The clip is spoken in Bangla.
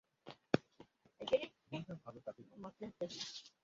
দিনটা ভালো কাটুক আপনার!